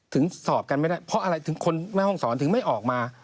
สอบกันไม่ได้เพราะอะไรถึงคนแม่ห้องศรถึงไม่ออกมา